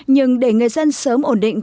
nhưng để người dân sớm ổn định